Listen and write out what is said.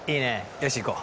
よし行こう。